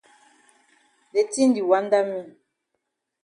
De tin di wanda me.